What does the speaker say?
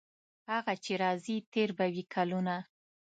هغه چې راځي تیر به وي کلونه.